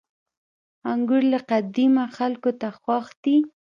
• انګور له قديمه خلکو ته خوښ دي.